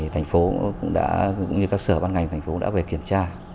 thành phố cũng đã các sở ban ngành thành phố đã về kiểm tra